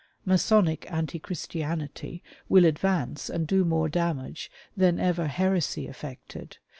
Masonic Anti Christianity will advance and do more damage than ever heresy effected.